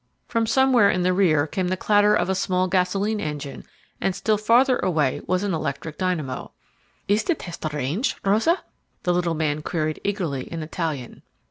From somewhere in the rear came the clatter of a small gasoline engine, and still farther away was an electric dynamo. "Is the test arranged, Rosa?" the little man queried eagerly in Italian.